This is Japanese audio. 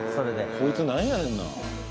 こいつ何やねんな。